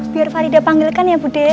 biar farida panggilkan ya budi